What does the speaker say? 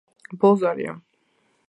ბოლო ზარია